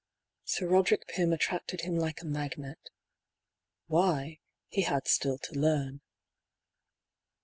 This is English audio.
Sir Roderick Pym attracted him like a magnet. Why, he had Btill to learn.